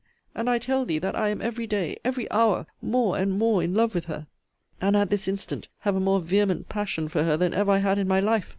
and I tell thee, that I am every day, every hour, more and more in love with her: and, at this instant, have a more vehement passion for her than ever I had in my life!